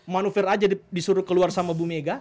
manuver aja disuruh keluar sama bu mega